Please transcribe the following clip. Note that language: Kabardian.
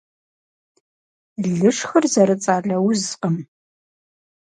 Лышхыр зэрыцӀалэ узкъым.